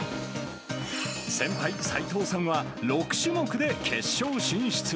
先輩、齋藤さんは６種目で決勝進出。